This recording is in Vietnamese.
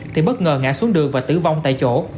thì bất ngờ ngã xuống đường và tử vong tại chỗ